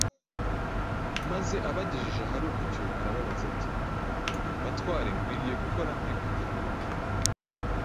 maze abagejeje ahari umucyo arababaza ati, “Batware nkwiriye gukora nte kugira ngo nkire?